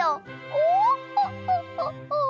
オーホホホホホ。